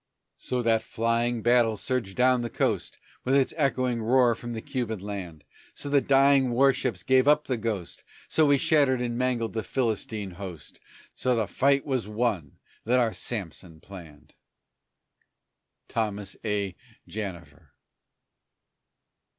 So that flying battle surged down the coast, With its echoing roar from the Cuban land; So the dying war ships gave up the ghost; So we shattered and mangled the Philistine host So the fight was won that our Sampson planned! THOMAS A. JANVIER.